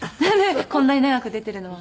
こんなに長く出ているのは。